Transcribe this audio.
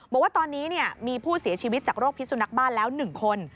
บอกว่าตอนนี้มีผู้เสียชีวิตจากโรคพิสุนักบ้านแล้ว๑คน